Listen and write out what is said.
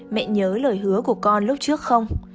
mẹ nhớ lời hứa của con lúc trước không